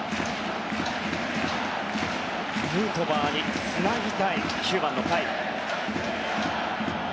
ヌートバーにつなぎたい９番の甲斐。